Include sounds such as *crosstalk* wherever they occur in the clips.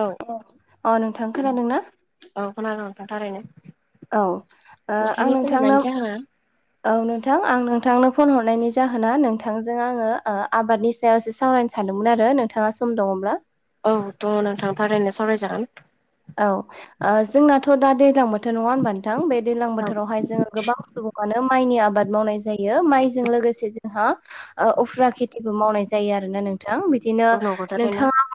औ अ नोंथां खोनादोंना औ खोनादोंं नोंथां थारैनो औ ओ आं नोंथांनि खल नोंथांनो हरनायनि जाहोना औ नोंथां आं नोंथांनो फन हरनायनि जाहोना नोंथांजों आङो ओ आबादनि सायाव एसे सावरायनो सानदोंमोन आरो नोंथाङा सम दङब्ला। औथ' नोंथां थारैनो सावरायजागोन। औ ओ जोंनाथ' दा दैज्लां बोथ थोर नङा होनबा नोंथां बे दैज्लां बोथोरावहाय जोङो गोबां सुबुङानो माइनि आबाद मावनाय जायो। ओ माइजों लोगोसे जोंहा उफ्रा खेथिबो मावनाय जायो आरोना नों थां बिदिनो औ नंगौ थारैनो नोंथाङा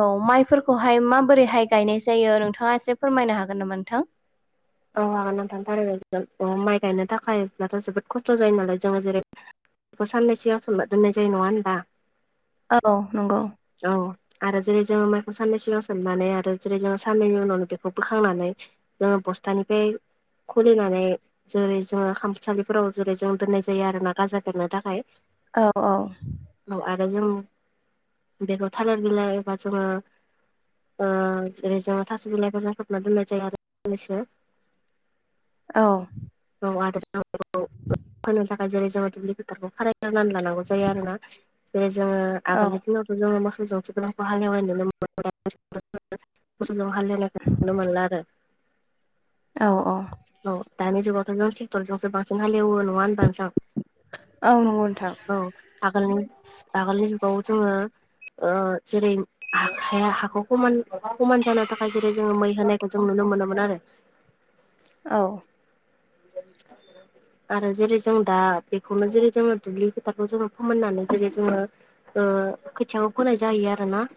औ माइफोरखौहाय माबोरैहाय गायनाय जायो नोंथाङा एसे फोरमायनो हागोन नामा नोंथां? औ हागोन नोंथां थारैनो हागोन माइ गायनो थाखायब्लाथ' जोबोद खस्थ' जायो नालाय जोङो जेरै बेखौ साननैसोआव सोमना दोननाय जायो नङा होनबा? औ नंगौ। औ आरो जेरै जोङो माइखौ साननै सिगां सोननानै आरो जेरै जोङो साननैनि उनावनो बेखौ बोखांनानै जोङो बस थानिफ्राय खुलिनानै जेरै जोङो खामसालिफोराव जेरै जों दोननाय जायो आरो ना गाजा बेरनो थाखाय। औ औ औ आरो जों बेखौ थालिर बिलाइ एबा जोङो जेरै जों थास' बिलाइखौ जाखोबना दोननाय जायो आरो साननैसो औ *unintelligible* होनो थाखाय जेरै जोंङो दुब्लि फोथारखौ खारायग्रोनानै लानांगौ जायो आरोना। जेरै जोङो औ आगोलनि दिनावथ' जोङो मोसौ जौसि गोदांखौ हालेवनाय नुनो मोनो *unintelligible* मोसौजों हालनायखौ नुनो मोनला आरो। औ औ औ दानि जुगावथ' जों ट्रेक्टरजोंसो बांसिन हालेवो नङा होनबा नोंथां? औ नंगौ नोंथां औ आगोलनि आगोलनि जुगाव जोङो ओ जेरै हा हाया हाखौ खमान खमान जानो थाखाय जेरै जोङो मै होनाय खौ जों नुनो मोनोमोन आरो। औ आरो जेरै जों दा बेखौनो जेरै जोङो दुब्लि फोथारखौ जोङो फोमोननानै जेरै जोङो ओ खोथियाखौ सोंनाय जायो आरोना।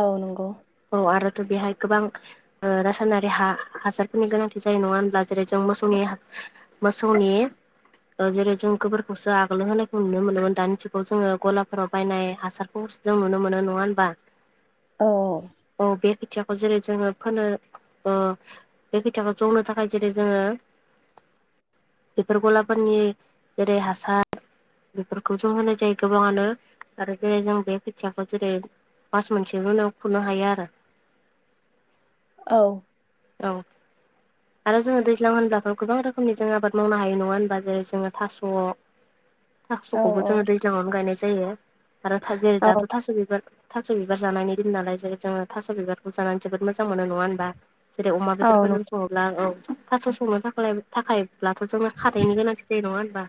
औ नंगौ औ आरोथ' बेहाय गोबां ओ रासायनारि हा हासारनि गोनांथि जायो नङा होनब्ला जेरै जों मोसौ नि मोसौनि जेरै जों गोबोरखौसो आगोल होनायखौ नुनो मोनोमोन दानि जुगाव जोङो गलाफोराव बायनाय हासारखौ जों नुनो मोनो नङा होमबा? औ। खोथियाखौ जेरै जोङो फोनो ओ बे खेथियाखौ जौनो थाखाय जेरै जोङो *inaudible* बेफोर गलाफोरनि जेरै हासार बेफोरखौ जों होनाय जायो गोबाङानो आरो जेरै जों बे खोथियाखौ जेरै मास मोनसेखौनाव खुरनो हायो आरो। *inaudible* औ। औ आरो जोङो दैज्लां होनब्ला गोबां रोखोमनि जों आबाद मावनो हायो नङा होनबा? जेरै जोङो थास' औ थास'खौबो जोङो दैज्लांआवनो गायनाय जायो आरो। जेरै औ दाथ' थास' बिबार थास बिबार जानायनि दिन नालाय जेरै जो थास' बिबारखौ जानानै जोबोद मोजां मोजां मोनो नङा होनबा? जेरै अमा औ बेदरखौ जों नंगौ सङोब्ला औ थास' संनो थाखाय अब्लाथ जोंनो खारैनि गोनांथि जायो नङा होनबा?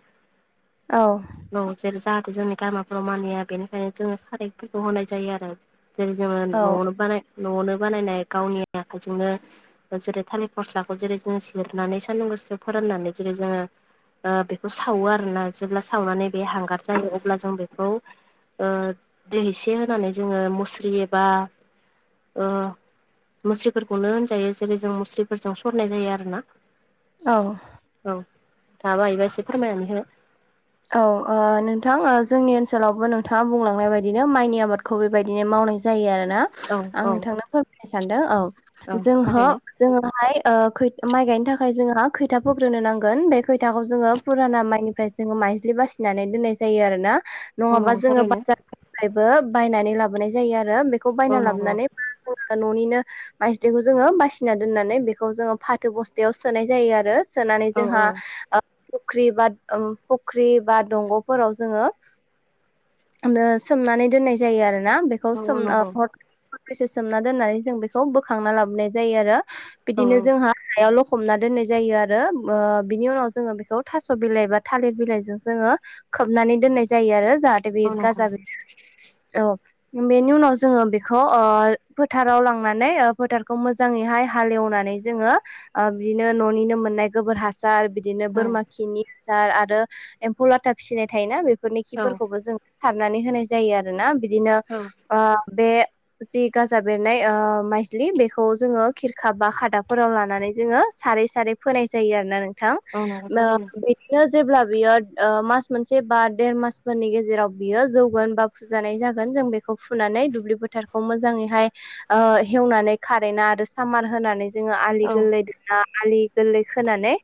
औ जेरै जा जोंनि गामिफ्राव मानिया बेनिखायनो जोङो खारैफोरखौ होनाय जायो आरो। जेरै जोङो औ न'आवनो बानाय न'आवनो बानायनाय गावनि आखाइजोंनो जेरै थालिर फस्लाखौ जेरै जों सेरनानै सानदुं गोसोआव फोराननानै जेरै जोङो ओ बेखौ सावो आरोना जेब्ला सावनानै बे हांगार जायो अब्ला जों बेखौ दै एसे होनानै जोङो मुस्रि एबा मुस्रिफोरखौनो होनजायो जेरै जों मुस्रिफोरजों सरनाय जायो आरोना। औ। दा बायोबा एसे फोरमायनानै होनो औ ओ नोंथां जोंनि ओनसोलावबो नोंथाङा बुंलांनाय बायदिनो माइनि आबादखौ बेबायदिनो माव नाय जायो आरोना। औ आं औ नोंथांनो फोरमायनो सानदों औ औ ज जोह थारैनो ओ माइ गायनो थाखाय जोंहा खैथा फोग्रोनो नांगोन बे खैथाखौ जोङो फुराना माइनिफ्राय मायज्लि बासिना दोन्नाय जायो आरोना। औ नङाबा नंगौ जोङो थारैनो बाजार फ्रायबो बो बायनानै लाबोनाय जायो आरो। बेखौ औ बायना नंगौ लाबोनानै न'निनो माइज्लिखौ जोङो बासिना दोननानै बेखौ जोङो फाथो बस्थायाव सोनाय जायो आरो। सोनानै औ जोंहा औ फख्रि बा फुख्रि बा दंगफोराव जोङो सोमनानै दोननाय जायो आरो। ना बेखौ ओ औ सोम नंगौ हरनैसे सोमना दोननानै जों बेखौ बोखांना लाबोनाय जायो आरो। औ बिदिनो जोंहा हायावल हमना दोननाय जायो आरो। ओ बिनि उनाव जोङो बेखौ थास बिलाइ बा थालिर बिलाइजों जोङो खोबनानै दोननाय जायो आरो। जाहाथे औ बे नंगौ गाजा बि औ बेनि उनाव जोङो बेखौ फोथाराव लांनानै फोथारखौ मोजाङैहाय हालेवनानै जोङो बिदिनो न'निनो मोननाय गोबोर हास बिदिनो औ बोरमा खिनि आदार आरो एम्फौ लाथा फिसिनाय थायोना। बे फोरनि औ खिफोरखौबो जों सारनानै होनाय जायो आरोना। बिदिनो औ ओ बे जि गाजा बेरनाय ओ माइज्लि बेखौ जोङो खिरखा बा खादाफोराव लानानै जोङो सारै सारै फोनाय जायो आरोना नोंथां। औ नंगौ थारैनो बिदिनो जेब्ला बियो ओ मास मोनसे बा देर मासफोरनि गेजेराव बियो जौगोन बा फुजानाय जागोन जों बेखौ फुनानै दुब्लि फोथारखौ मोजाङैहाय ओ हेवनानै खारेना आरो सामार होनानै जोङो आलि औ गोरलै दाना आलि गोरलै खोनानै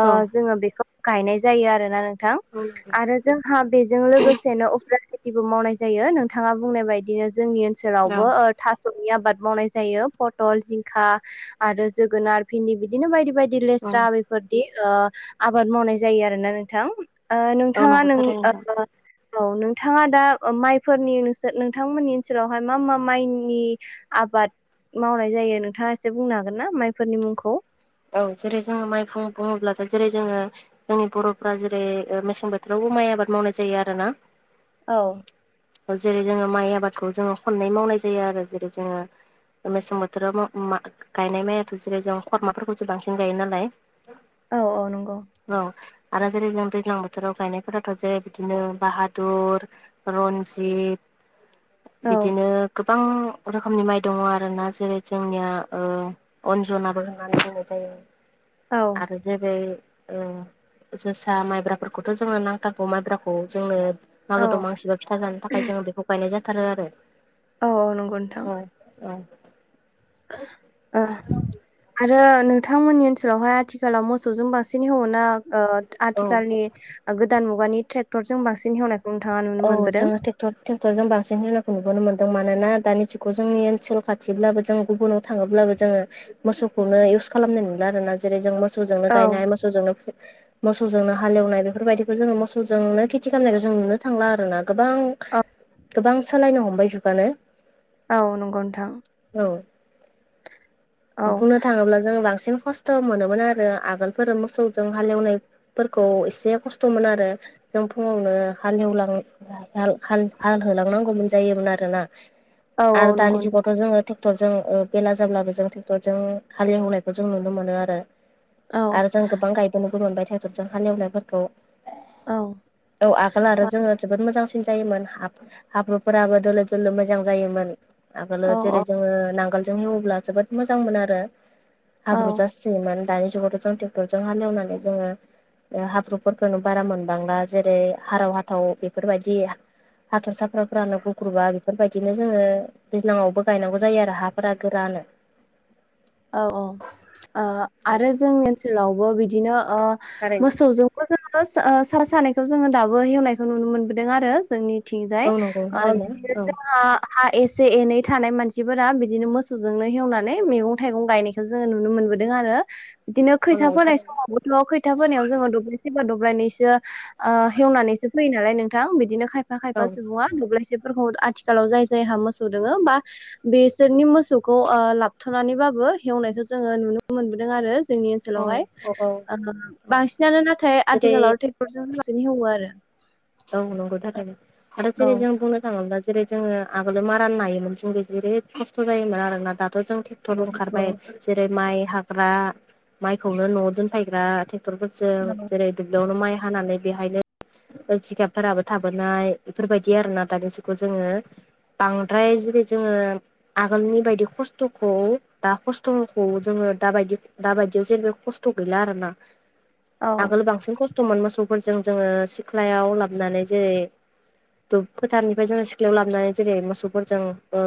ओ जोङो बेखौ गायनाय जायो आरोना नोंथां। औ आरो जोंहा बेजों लोगोसेनो उफ्रा बो मावनाय जायो नोंथाङा बुंनाय बायदिनो जोंनि ओनसोलावबो ओ थास' आबाद मावनाय जायो। पटल जिंखा आरो जोगोनार भिन्दि बिदिनो बायदि बायदि दि लेस्रा औ बेफोरदि आबाद मावनाय जायो आरो ना नोंथां। ओ नोंथाङा नंगौ नों थारैनो नोंथां ओ औ नोंथाङा दा माइफोरनि नोंसोर नोंथांमोननि ओनसोलावहाय मा मा माइनि आ आबाद मावनाय जायो नोंथाङा एसे बुंनो हागोन ना माइफोरनि मुंखौ औ जेरै जोंङो माइफुं बुङोब्लाथाय जेरै जोंङो जोंनि बर'फ्रा जेरै मेसें बोथोराव माइ आबाद मावनाय जायो आरो ना औ जेरै जोंङो माइ आबादखौ जोंङो खननै मावनाय जायो आरो जेरै जोंङो मेसें बोथोराव गायनाय माइयाथ' जेरै जों खरमा फोरखौसो बांसिन गायो नालाय औ औ नंगौ *inaudible* औ आरो जेरै जों दैज्लां बोथोराव गायनायफोराथ' जे बिदिनो बाहादुर रनजित *inaudible* बिदिनो गोब बां रोखोमनि माइ दङ आरोना जेरै जोंनिया ओ अनजनाबो नानै होनाय जायो औ आरो जेरै ओ जोसा माइब्राफोरखौथ जोंङो नांथारगौ माइब्राखौ जोंनो औ मागो दमासिबा फिथा जानो थाखाय जोंङो बेखौ गायनाय जाथारो आरो औ औ नंगौनथां औ औ ओ आरो नोंथांमोननि ओनसोलावहाय आथिखालाव मोसौजों बांस सिन हेवो ना ओ औ आथिखालनि ओ गोदान मुगानि ट्रेक्टरजों बांसिन हेवनाय औ जोङो टेक्टर ट्रेक्टरजों बांसिन होनायखौ नुबोनो मोन मानोना दानि जुगाव जोंनि ओनसोल खाथिब्लाबो जों गुबुनाव थाङोब्लाबो जोङो मोसौखौनो एव *unintelligible* खालामनाय नुला आरो ना जेरै जों मोसौजोंनो औ गायनाय मोसौजोंनो मोसौजोंनो हालेवनाय बेफोरबायदिखौ जोङो मोसौजोंनो खेथि खालामनायखौ जों नुनो थांला आरोना गोबां गोबां सोलायनो हमबाय जुगानो औ नंगौ नंथां औ बुंनो थाङोब्ला जोंङो बांसिन खस्थ मोनोमोन आरो आगोलफोर मोसौजों हालेवनायफोरखौ एसे खस्थ'मोन आरो जों फुङावनो हालेवलां हाल हाल हाल होलांनांगौमोन जायोमोन आरोना औ आरो औ दानि नंगौ जुगावथ जोंङो टेक ट्रेक्टरजों ओ बेला जाब्लाबो जों ट्रेक्टरजों हालेवहोनायखौ जों नुनो मोनो आरो नोंथां औ आरो जों गोबां गायबोनोबो मोनबाय ट्रेक्टरजों हालेवनायफोरखौ औ औ आगोल आरो जोंङो जोबोद मोजां मोजांसिन जायोमोन हाब हाब्रुफोराबो दोलो दोलो मोजां जायोमोन आगोलाव औ जेरै जोंङो नांगोलजों हेवोब्ला जोबोद मोजां मोन आरो औ हाब्रुजासे माने दानि जुगावथ' जों ट्रेक्टरजों हालेवनानै जोङो ओ हाब्रुफोरखौनो बारा मोनबांला जेरै हाराव हाथाव बेफोरबायदि हाथरसाफ्राफ्रानो गुग्रुबा बेफोरबायदि बिदिनो जोङो दैज्लाङावबो गायनांगौ जायो आरो हाफोरा गोरानो औ औ ओ औ आरो जोंनि ओनसोलावबो बिदिनो ओ थारैनो मोसौजोंबो *inaudible* ओ सार सानैखौ जोङो दाबो हेवनायखौ नुनो मोनबोदों आरो जोंनि थिंजाय औ नंगौ ओ थारैनो बिदिनो औ जोंहा हा एसे एनै थानाय मानसिफोरा बिदिनो मोसौजोंनो हवनानै मैगं थाइगं गायनायखौ जोंङो नुनो मोनबोदों आरो। बिदिनो औ खैथा नंगौ फोनाय थारैनो समावबोथ' खैथा फोनायाव जोंङो दब्रायसेबा दब्रायनैसो ओ हेवनानैसो फैयो नालाय नोंथां बिदिनो खायफा-खायफा सुबुङा दुब्लायसे *inaudible* आथिखालाव जाय-जायहा मोसौ दोङो बा बिसोरनि मोसौखौ ओ लाबथ'नानैबा बो हेवनायखौ जोङो नुनो मोनबोदों आरो। जोंनि ओनसोलावहाय औ औ ओ औ बांसिनानो नाथाय जेरै आथिखालाव ट्रेक्टरजों बांसिन हेवो आरो। औ नंगौ थाखायनो आरो औ जेरै जों बुंनो थाङोब्ला जेरै जोङो आगोल मा रान नायोमोन जोंबो जेरै खस्थ' जायोमोन आरोना दा थ' जों ट्रेक्टर औ ओंखारबाय जेरै माइ हाग्रा माइखौनो न'आव दोनफैग्रा टेक टरफोरजों जेरै दुब्लियावनो माइ हानानै बेहायनो जिगाबफोराबो थाबोनाय बेफोरबायदि आरो ना दानि जुगखौ जोङो बांद्राय जेरै जोङो आगोलनि बायदि खस्थ'खौ दा खस्थ'खौ जोङो दायदि-दाबायदियाव जेनेबा खस्थ' गैला आरोना। औ आगोल बांसिन खस्थ'मोन मोसौफोरजों जोङो सिख्लायाव लाबोनानै जेरै दुब फोथारनिफ्राय जोङो सिख्लायाव लाबोनानै जेरै मोसौफोरजों ओ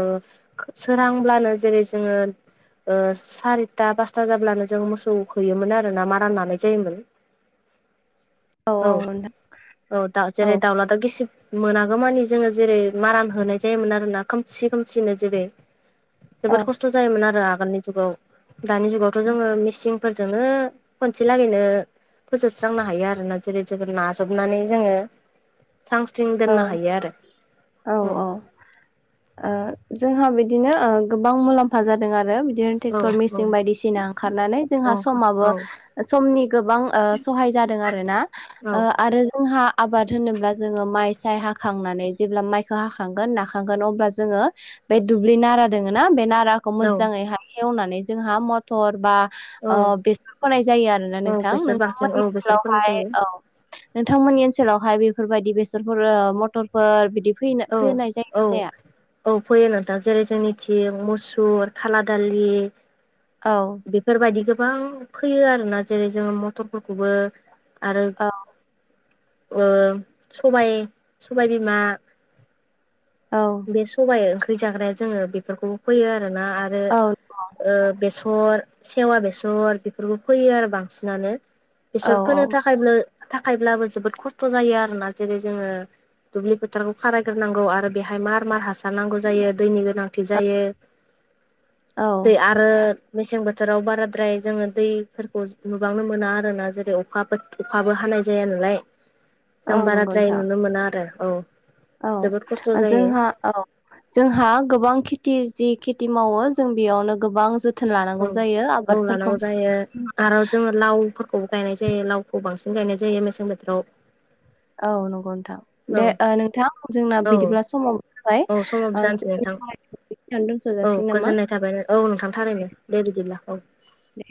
सोरांब्लानो जे जेरै जोङो ओ सारिथा पासथा जाब्लानो जों मोसौ होयोमोन आरो ना मारा लानाय जायोमोन। *inaudible* औ औ नोंथां। औ दा जेरै दावला दाव गिसिब मोनागौ मानि जोङो जेरै मारान होनाय जायोमोन आरोना खोमसि खोमसिनो जेरै जोबोद औ खस्थ' जायोमोन आरो आ आगोलनि जुगाव दानि जुगावथ' जोङो मिसिंफोरजोंनो खनसे लागैनो फोजोबस्रांनो हायो आरोना जेरै जोङो नाजबनानै जोङो स्रां स्रिं औ दोननो हायो आरो औ औ ओ जोंहा बिदि दिनो ओ गोबां मुलाम्फा जादों आरो। *unintelligible* औ टेक्थर मिचिन बायदिसिना ओंखारनानै औ जोंहा समाबो समनि गोबां ओ सहाय जादों आरो ना ओ आरो जोंहा आबाद होनोब्ला जोङो माइ जाय हाखांनानै जेब्ला माइखौ हाखांगोन नाखांगोन अब्ला जोङो बै दुब्लि नारा दोङोना बे ना राखौ औ मोजाङैहा हेवनानै जोंहा मथर बा औ ओ बेसर फोनाय जायो आरोना औ नोंथां बेसोर बांसिन औ नोंथांमोननि बेसोर फोनाय ओनसोलावहाय जायो औ। नोंथांमोननि ओनसोलावहाय बेफोरबायदि बेसरफोर मथरफोर बिदि फैनो औ फोनाय जायो औ ना जाया औ फैयो नोंथां जेरै जोंनिथि मु सुर खाला दालि औ बेफोरबायदिखो गोबां फैयो आरोना जेरै जोङो मथरफोरखौबो आरो औ ओ सबाय सबाय बिमा। औ बे सबाइ ओंख्रि जाग्राया जोङो बेफोरखौबो फैयो आरो ना आरो औ ओ बेस र सेवा बेसर बेफोरखौ फैयो आरो बांसिनानो। औ बेसर फोनो औ थाखायबो थाखायब्लाबो जोबोद खस्थ' जायो आरोना जेरै जोङो दुब्लि फोथारखौ खारायग्रोनांगौ आरो बेहाय मार मार हासार नांगौ जायो दैनि गोनांथि जायो। औ दै आरो मसें बो थोराव बाराद्राय जोङो दैफोरखौ नुबांनो मोना आरोना जेरै अखा अखाबो हानाय जायाना लाय औ जों नंगौ बाराद्राय नोंथां नुनो मोना आरो औ औ जोबोद खस्थ जायो जोंहा औ जोंहा गोबां खेथि जि खि ति मावो जों बेयावनो गोबां जोथ औ औ लानांगौ जायो आरो जोङो लावफोरखौ गायनाय जायो, लावखौ बांसिन गायनाय जायो मेसें बोथोराव। औ नंगौ। थां औ दे ओ नोंथां जोंना औ बिदिब्ला समाव औ समाबो जाबाय जानोसै नोंथां *unintelligible* दोनथ' औ जासिगोन नामा गोजोननाय थाबाय औ नोंथां थारैनो दे बिदिब्ला औ। दे।